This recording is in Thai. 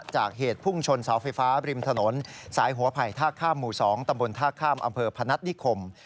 เหตุพุ่งชนเสาไฟฟ้าบริมถนนสายหัวไผ่ท่าข้ามหมู่๒ตำบลท่าข้ามอำเภอพนัฐนิคม